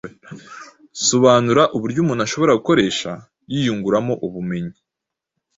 Sobanura uburyo umuntu ashobora gukoresha yiyunguramo ubumenyi